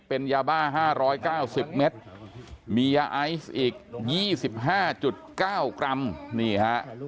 เป็นยาบ้าห้าร้อยเก้าสิบเมตรมียาไอซ์อีกยี่สิบห้าจุดเก้ากรัมนี่ฮะ